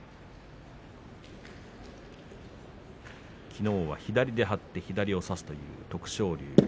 きのうは左で張って左を差すという徳勝龍。